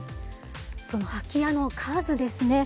その空き家の数ですね。